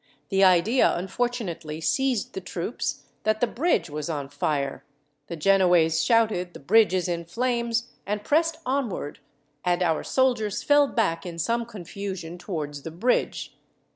The idea, unfortunately, seized the troops that the bridge was on fire. The Genoese shouted 'The bridge is in flames!' and pressed onward, and our soldiers fell back, in some confusion, towards the bridge.